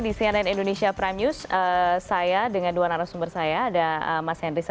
di cnn indonesia prime news